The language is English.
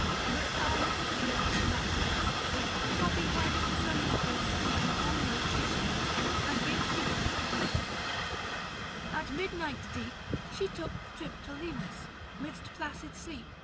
But alma Ceres fasted : poppy heads Somniferous, into warm milk she sheds And gives the boy to drink ; at midnight deep She took Triptolemus, 'midst placid sleep, 620 Book IV.